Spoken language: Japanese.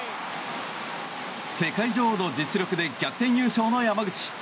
世界女王の実力で逆転優勝の山口。